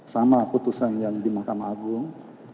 sama putusan yang di mahkamah agung